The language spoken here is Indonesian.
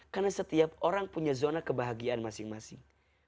karena setiap orang punya zona kebahagiaan masing masing